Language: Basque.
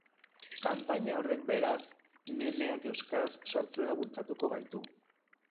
Kanpaina horrek, beraz, memeak euskaraz sortzera bultzatuko gaitu.